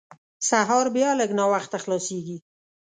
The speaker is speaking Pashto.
سهار بیا لږ ناوخته خلاصېږي.